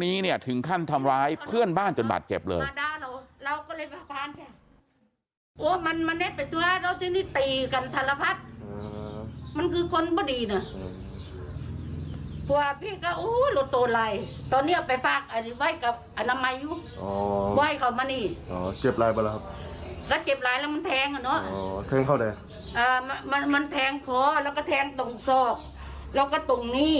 มันแทงเค้าแล้วก็แทงตรงศพแล้วก็ตรงนี้